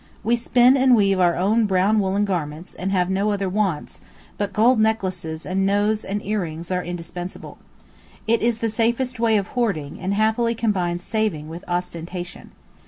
We spin and weave our own brown woollen garments, and have no other wants, but gold necklaces and nose and earrings are indispensable. It is the safest way of hoarding, and happily combines saving with ostentation.